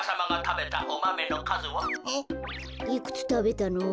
いくつたべたの？